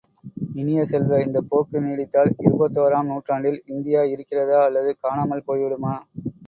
இனிய செல்வ, இந்தப் போக்கு நீடித்தால் இருபத்தோராம் நூற்றாண்டில் இந்தியா இருக்கிறதா அல்லது காணாமல் போய்விடுமா?